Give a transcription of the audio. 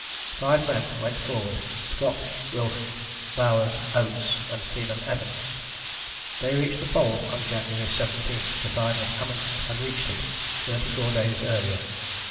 Five men went forward, Scott, Wilson, Bowers, Oates and Seaman Evans. They reached the Pole on January 17 to find that Amundsen had reached it thirty four days earlier.